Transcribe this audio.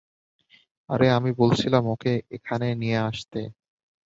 আরে, আমি বলেছিলাম ওকে এখানে নিয়ে আসতে।